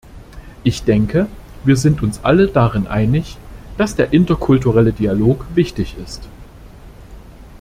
Ich denke, wir sind uns alle darin einig, dass der interkulturelle Dialog wichtig ist.